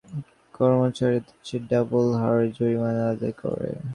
বস্তুত নিজের কাছ থেকে কর্মচারীদের চেয়ে ডবল হারে জরিমানা আদায় করে।